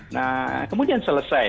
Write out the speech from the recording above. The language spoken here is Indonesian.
nah kemudian selesai